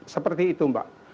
seperti itu mbak